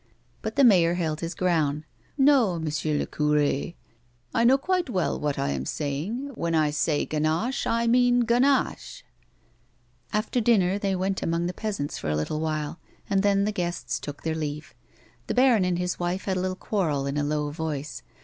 But the mayor held his ground. " i\o, M. le cure, I knoAv quite well what I am saying ; when I say Ganache, I mean Ganache." After dinner they went among the peasants for a little while, and then the guests took their leave. The baron and his wife had a little quarrel in a low voice.